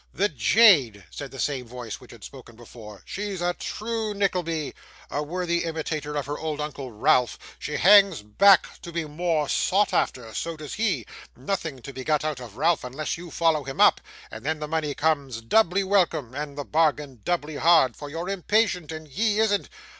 'The jade!' said the same voice which had spoken before. 'She's a true Nickleby a worthy imitator of her old uncle Ralph she hangs back to be more sought after so does he; nothing to be got out of Ralph unless you follow him up, and then the money comes doubly welcome, and the bargain doubly hard, for you're impatient and he isn't.